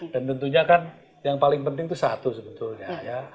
dan tentunya kan yang paling penting itu satu sebetulnya ya